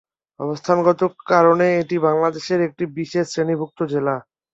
অবস্থানগত কারণে এটি বাংলাদেশের একটি বিশেষ শ্রেণীভুক্ত জেলা।